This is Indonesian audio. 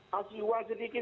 kasih uang sedikit